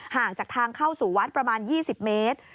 ห่างจากทางเข้าสู่วัดประมาณ๒๐เมตร